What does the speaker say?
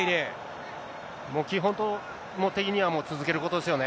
もう、基本的にはもう、続けることですよね。